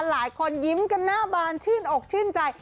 หลายคนยิ้มกันหน้าบานชื่นอกชื่นใจ